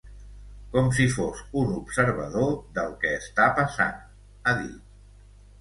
Com si fos un observador del que està passant, ha dit.